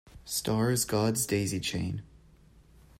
Stars God's daisy chain.